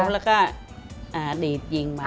ปุ๊บแล้วก็อ่าดีดยิงมา